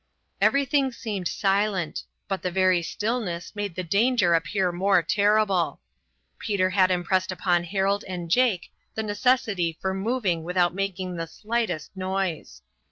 Everything seemed silent, but the very stillness made the danger appear more terrible. Peter had impressed upon Harold and Jake the necessity for moving without making the slightest noise.